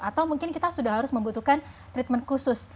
atau mungkin kita sudah harus membutuhkan treatment khusus